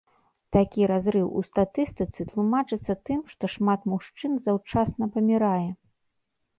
Такі разрыў у статыстыцы тлумачыцца тым, што шмат мужчын заўчасна памірае.